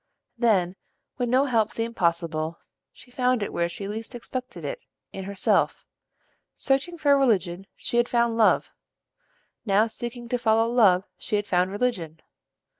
Then, when no help seemed possible, she found it where she least expected it, in herself. Searching for religion, she had found love: now seeking to follow love she found religion.